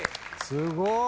すごい。